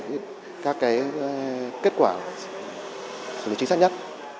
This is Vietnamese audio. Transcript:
đó là điều chính xác nhất